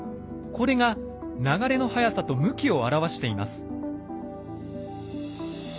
これが流れの速さと向きを表しています。